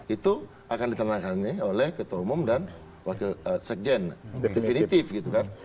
itu akan ditandatangani oleh ketua umum dan wakil sekjen definitif gitu kan